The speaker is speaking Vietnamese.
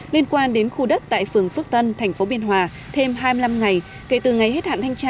liên quan đến khu đất tại phường phước tân thành phố biên hòa thêm hai mươi năm ngày kể từ ngày hết hạn thanh tra